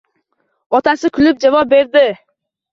Otasi kulib javob berdi